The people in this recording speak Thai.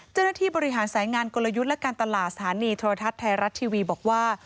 เจ้าหน้าที่บริหารสายงานกลยุทธ์และการตลาดสถานีโทรทัศน์ไทยรัฐทีวีบอกว่า